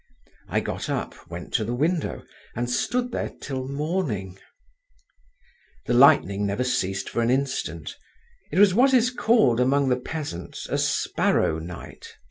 I got up, went to the window, and stood there till morning…. The lightning never ceased for an instant; it was what is called among the peasants a sparrow night.